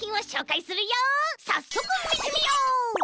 さっそくみてみよう！